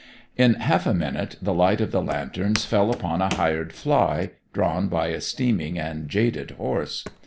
In half a minute the light of the lanterns fell upon a hired fly, drawn by a steaming and jaded horse.